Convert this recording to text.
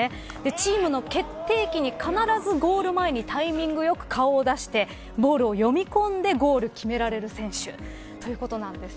チームの決定機に必ずゴール前にタイミングよく顔を出してボールを呼び込んでゴールを決められる選手ということなんです。